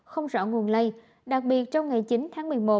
không rõ nguồn lây đặc biệt trong ngày chín tháng một mươi một